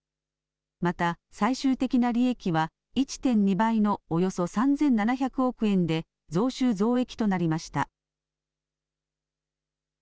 また最終的な利益は１．２倍のおよそ３７００億円で増収増益となりました。